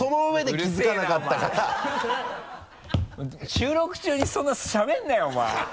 収録中にそんなしゃべるなよお前。